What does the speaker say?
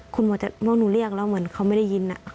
คุณหมอจัดมองหนูเรียกแล้วเหมือนเขาไม่ได้ยินอ่ะ